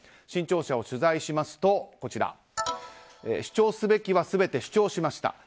新潮社を取材しますと主張すべきは全て主張しました。